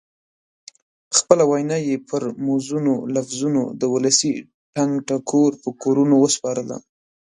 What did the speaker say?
خپله وینا یې پر موزونو لفظونو د ولسي ټنګ ټکور په کورونو وسپارله.